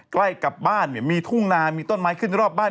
ใกล้กับบ้านเนี่ยมีทุ่งนามีต้นไม้ขึ้นรอบบ้าน